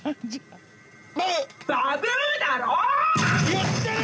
言ってる！